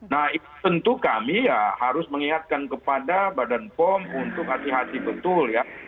nah itu tentu kami ya harus mengingatkan kepada badan pom untuk hati hati betul ya